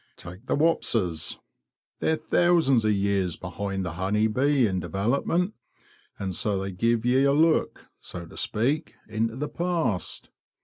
Take the wapses: they're thousands of years behind the honey bee in development, and so they give ye a look, so to speak, into the past.